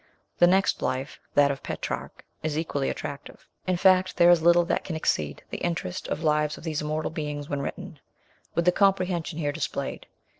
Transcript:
The next life that of Petrarch is equally attractive ; in fact, there is little that can exceed the interest of lives of these immortal beings when written with the com prehension here displayed.